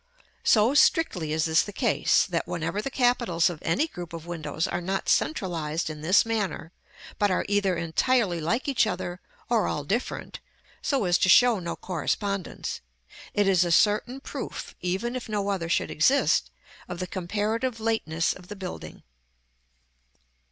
So strictly is this the case, that whenever the capitals of any group of windows are not centralized in this manner, but are either entirely like each other, or all different, so as to show no correspondence, it is a certain proof, even if no other should exist, of the comparative lateness of the building.